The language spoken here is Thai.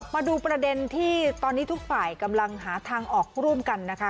มาดูประเด็นที่ตอนนี้ทุกฝ่ายกำลังหาทางออกร่วมกันนะคะ